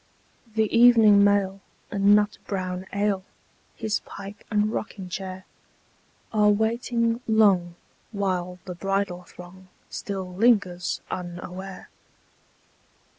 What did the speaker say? (The evening mail and nut brown ale, His pipe and rocking chair, Are waiting long, while the bridal throng Still lingers unaware.)